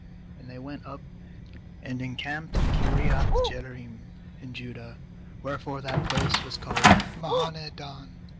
^And they went up^ and encamped in Kiriath jearim, in Judah; wherefore that place was called Mahaneh dan 317 18.